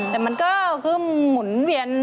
แต่มันก็คือหมุนเวียน